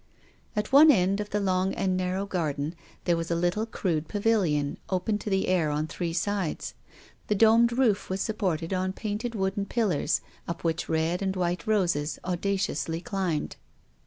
At one end of the long and narrow garden there was a little crude pavilion, open to the air on three sides. The domed roof was supported on painted wooden pillars up which red and white roses audaciously climbed.